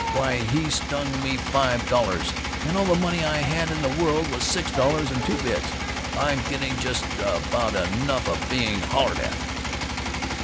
Why, he stung me five dollars, and all the money I had in the world was six dollars and two bits. I'm getting just about enough of being hollered at!"